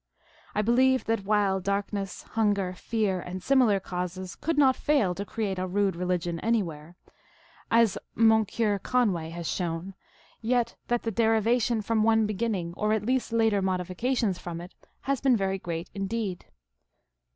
I believe that while darkness, hunger, fear, and similar causes could not fail to create a rude religion anywhere, as Moncure Conway has shown, yet that the derivation from one beginning, or at least later modifications from it, has been very great indeed.